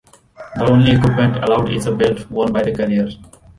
The only equipment allowed is a belt worn by the carrier.